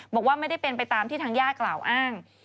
บอกว่าไม่ได้เป็นไปตามที่ทางญาติกล่าวอ้าง